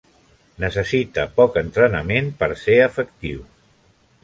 Necessita poc entrenament per ser efectiu.